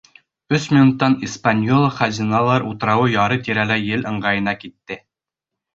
Өс минуттан «Испаньола» Хазиналар утрауы яры тирәләй ел ыңғайына китте.